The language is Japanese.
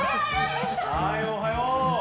はいおはよう。